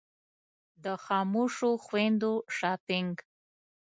د خاموشو خویندو شاپنګ.